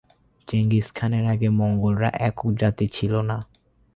Genghis খানের আগে মঙ্গোলরা একক জাতি ছিল না।